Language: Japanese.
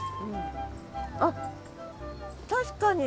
あっ確かに。